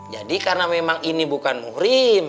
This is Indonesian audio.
jadi karena memang ini bukan muhrim